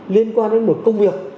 liên quan đến một công việc